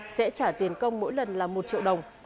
sẽ trả tiền công mỗi lần là một triệu đồng